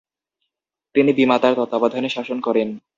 তিনি বিমাতার তত্ত্বাবধানে শাসন করেন।